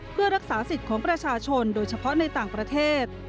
เพื่อรักษาสิทธิ์ของประชาชนโดยเฉพาะในต่างประเทศ